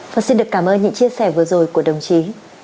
phật xin được cảm ơn những chia sẻ vừa rồi của đồng chí